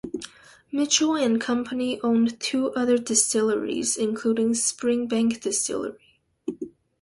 Mitchell and Company owned two other distilleries, including Springbank Distillery.